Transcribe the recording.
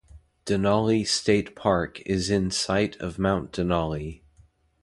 Denali State Park is in sight of Mount Denali.